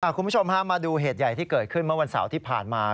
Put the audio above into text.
คุณผู้ชมฮะมาดูเหตุใหญ่ที่เกิดขึ้นเมื่อวันเสาร์ที่ผ่านมา